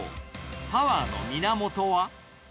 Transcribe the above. パワーの源は。